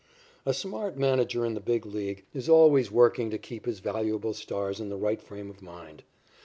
A smart manager in the Big League is always working to keep his valuable stars in the right frame of mind.